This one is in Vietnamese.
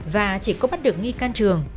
và chỉ có bắt được nghi can trường